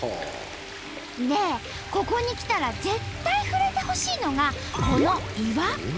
でここに来たら絶対触れてほしいのがこの岩。